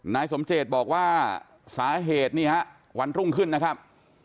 นายสมเจตบอกว่าสาเหตุนี่ฮะวันรุ่งขึ้นนะครับ